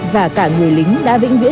và cả người lính đã vĩnh viễn giai đoạn